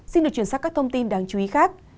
xin được truyền sát các thông tin đáng chú ý khác